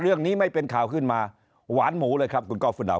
เรื่องนี้ไม่เป็นข่าวขึ้นมาหวานหมูเลยครับคุณก้อฟุนาว